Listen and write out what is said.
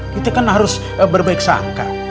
kita kan harus berbaik sangka